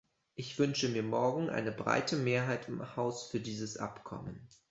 Ich wünsche mir morgen eine breite Mehrheit im Haus für dieses Abkommen.